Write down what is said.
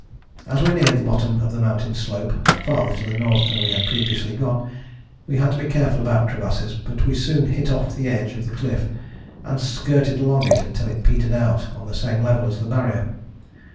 As we neared the bottom of the mountain slope, farther to the north than we had previously gone, we had to be careful about crevasses, but we soon hit off the edge of the cliff and skirted along it until it petered out on the same level as the Barrier.